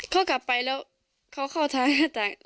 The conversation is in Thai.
เขากลับไปแล้วเขาเข้าทางอาจารย์